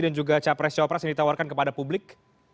dan juga capres capres yang ditawarkan kepada publik